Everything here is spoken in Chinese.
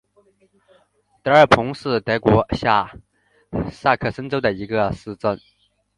德尔彭是德国下萨克森州的一个市镇。